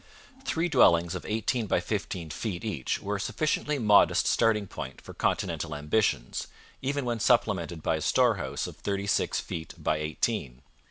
Three dwellings of eighteen by fifteen feet each were a sufficiently modest starting point for continental ambitions, even when supplemented by a storehouse of thirty six feet by eighteen.